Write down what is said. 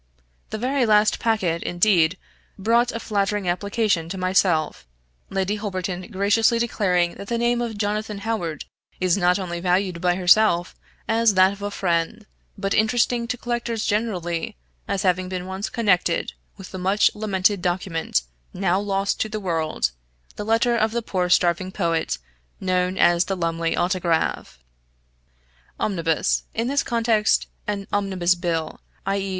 The very last packet, indeed, brought a flattering application to myself; Lady Holberton graciously declaring that the name of Jonathan Howard is not only valued by herself, as that of a friend, but interesting to collectors generally, as having been once connected with that much lamented document, now lost to the world, the letter of the poor starving poet, known as the Lumley Autograph. {"Omnibus" = in this context, an "omnibus bill" (i.e.